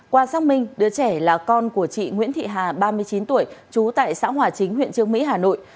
qua xác minh đứa trẻ là con của chị nguyễn thị hà ba mươi chín tuổi trú tại xã hòa chính huyện trương mỹ hà nội